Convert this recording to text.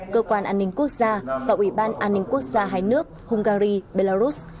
cơ quan an ninh quốc gia và ủy ban an ninh quốc gia hai nước hungary belarus